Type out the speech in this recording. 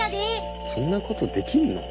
そんなことできんの？